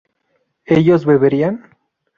¿ellos beberían?